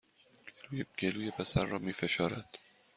گلوی پسر را می فشارد